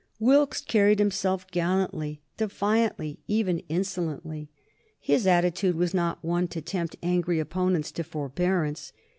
Wilkes carried himself gallantly, defiantly, even insolently. His attitude was not one to tempt angry opponents to forbearance.